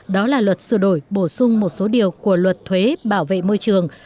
đó là luật sửa đổi bổ sung một số điều của luật thuế bảo vệ môi trường